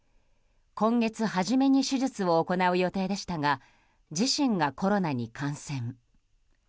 今月初めに手術を行う予定でしたが自身がコロナに感染。